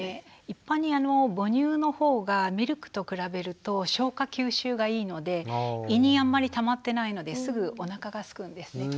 一般に母乳のほうがミルクと比べると消化吸収がいいので胃にあんまりたまってないのですぐおなかがすくんですね。